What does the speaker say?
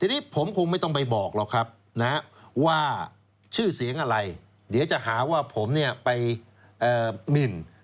ทีนี้ผมคงไม่ต้องไปบอกหรอกครับนะว่าชื่อเสียงอะไรเดี๋ยวจะหาว่าผมเนี่ยไปหมิน